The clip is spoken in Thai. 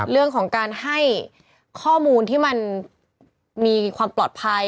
เรื่องของการให้ข้อมูลที่มันมีความปลอดภัย